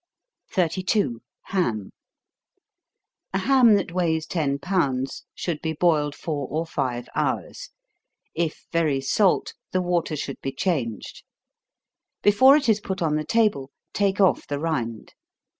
32. Ham. A ham that weighs ten pounds, should be boiled four or five hours; if very salt, the water should be changed. Before it is put on the table, take off the rind.